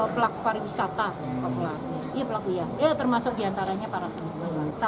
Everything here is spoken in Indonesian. pelaku pariwisata termasuk diantaranya para seniman